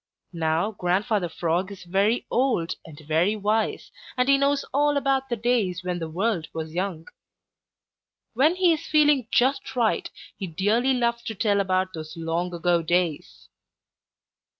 Now Grandfather Frog is very old and very wise, and he knows all about the days when the world was young. When he is feeling just right, he dearly loves to tell about those long ago days.